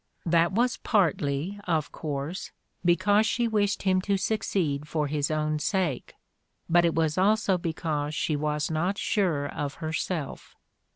That was partly, of course, because she wished him to succeed for his own sake, but it was also because she was not sure of herself.